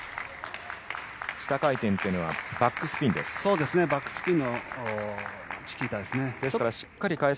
下回転というのはバックスピンです。